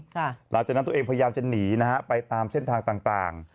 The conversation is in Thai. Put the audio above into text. หลังจากนั้นตัวเองพยายามจะหนีนะฮะไปตามเส้นทางต่างต่าง